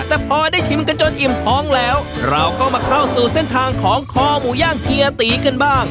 แต่พอได้ชิมกันจนอิ่มท้องแล้วเราก็มาเข้าสู่เส้นทางของคอหมูย่างเฮียตีกันบ้าง